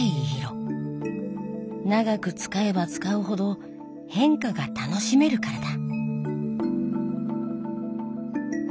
長く使えば使うほど変化が楽しめるからだ。